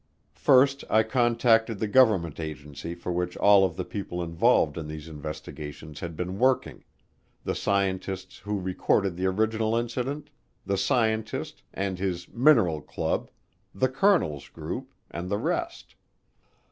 First I contacted the government agency for which all of the people involved in these investigations had been working, the scientists who recorded the original incident, the scientist and his "mineral club," the colonel's group, and the rest.